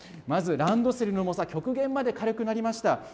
まずランドセルの重さ、極限まで軽くなりました。